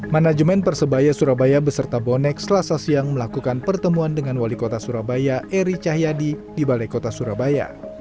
manajemen persebaya surabaya beserta bonek selasa siang melakukan pertemuan dengan wali kota surabaya eri cahyadi di balai kota surabaya